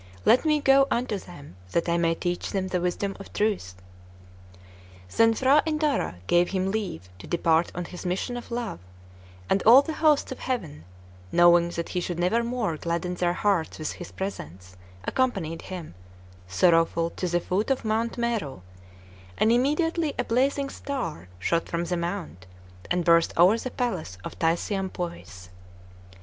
Let me go unto them, that I may teach them the wisdom of truth." Then P'hra Indara gave him leave to depart on his mission of love; and all the hosts of heaven, knowing that he should never more gladden their hearts with his presence, accompanied him, sorrowful, to the foot of Mount Meru; and immediately a blazing star shot from the mount, and burst over the palace of Thaisiampois.